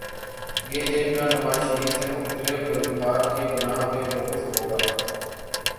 گے جن کا نواز شریف سے مختلف وجوہات کی بناء پہ بغض ہو گا۔